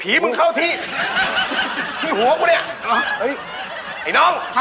ผีเหาะกูเนี่ย